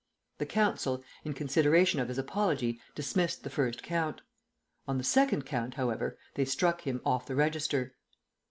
The Council, in consideration of his apology, dismissed the first count. On the second count, however, they struck him off the register.